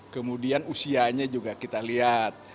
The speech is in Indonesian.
kemudian usianya juga kita lihat